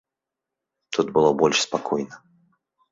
Тут было больш спакойна.